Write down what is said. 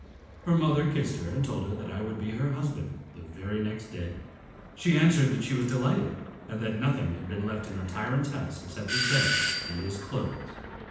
Her mother kissed her, and told her that I would be her husband the very next day. She answered that she was delighted, and that nothing had been left in her tyrant's house except his bed and his clothes.